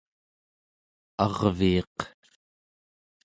arviiq